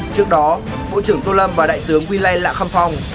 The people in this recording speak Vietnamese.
trước đó bộ trưởng tô lâm và đại tướng quy lê lạc khâm phong